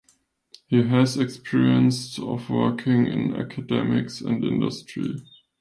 He has experience of working in academics and industry.